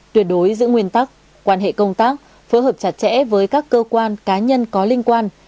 tuyệt đối giữ nguyên tắc quan hệ công tác phối hợp chặt chẽ với các cơ quan cá nhân có liên quan